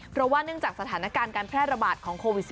เพราะว่าเนื่องจากสถานการณ์การแพร่ระบาดของโควิด๑๙